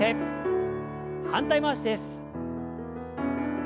反対回しです。